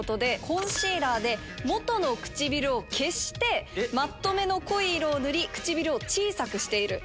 コンシーラーで元の唇を消してマットめの濃い色を塗り唇を小さくしている。